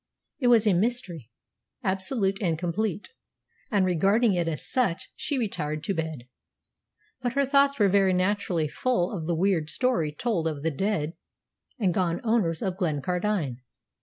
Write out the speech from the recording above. It was a mystery, absolute and complete; and, regarding it as such, she retired to bed. But her thoughts were very naturally full of the weird story told of the dead and gone owners of Glencardine.